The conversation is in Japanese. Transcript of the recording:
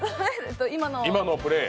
今のプレー。